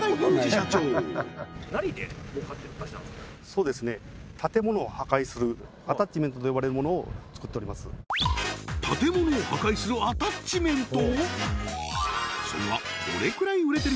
社長建物を破壊するアタッチメント？